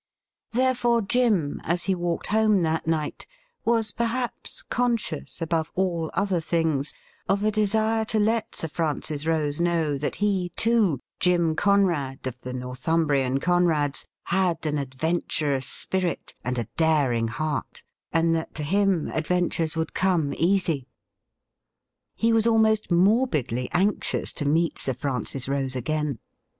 Therefore Jim, as he walked home that night, was per haps conscious, above all other things, of a desire to let Sir Francis Rose know that he, too, Jim Conrad of the North umbrian Conrads, had an adventurous spirit and a daring heart, and that to him adventures would come easy. He was almost morbidly anxious to meet Sir Francis Rose again.